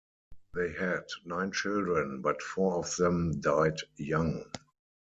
They had nine children but four of them died young.